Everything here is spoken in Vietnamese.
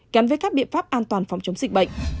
gắn với các biện pháp an toàn phòng chống dịch bệnh